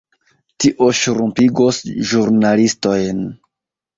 Tio ŝrumpigos ĵurnalistojn.